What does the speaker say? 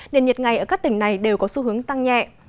nền nhiệt ngày ở các tỉnh này đều có xu hướng tăng nhẹ